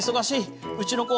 うちの子